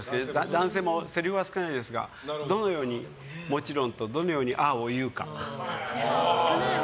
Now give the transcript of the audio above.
男性もせりふは少ないですがどのように「もちろん」とどのように「ああ」を言うか。